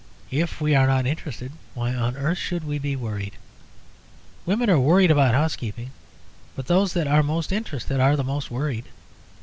If we are not interested, why on earth should we be worried? Women are worried about housekeeping, but those that are most interested are the most worried.